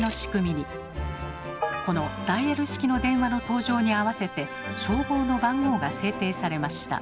このダイヤル式の電話の登場に合わせて消防の番号が制定されました。